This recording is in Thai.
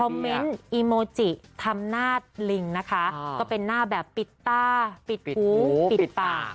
เมนต์อีโมจิทำหน้าลิงนะคะก็เป็นหน้าแบบปิดตาปิดหูปิดปาก